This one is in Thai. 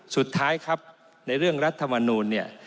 สุดท้ายครับในเรื่องรัฐมนูลเนี่ย